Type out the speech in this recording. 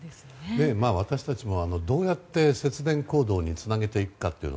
私たちも、どうやって節電行動につなげていくか